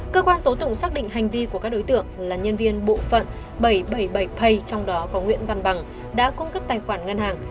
cơ quan tố tụng xác định hành vi của các đối tượng là nhân viên bộ phận bảy trăm bảy mươi bảy pay trong đó có nguyễn văn bằng đã cung cấp tài khoản ngân hàng